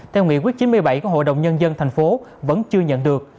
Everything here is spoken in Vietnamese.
theo nghị quyết chín mươi bảy của hội đồng nhân dân thành phố